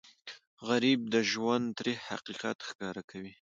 غریب د ژوند تریخ حقیقت ښکاره کوي